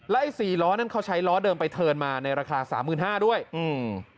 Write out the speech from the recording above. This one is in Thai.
ไอ้สี่ล้อนั้นเขาใช้ล้อเดิมไปเทิร์นมาในราคาสามหมื่นห้าด้วยอืม